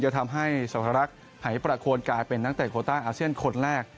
จะทำให้สหรัฐหายประโคนกลายเป็นนักเตะโคต้าอาเซียนคนแรก